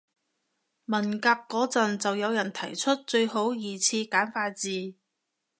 文革嗰陣就有人提出最好二次簡化字